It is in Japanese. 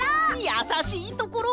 やさしいところ！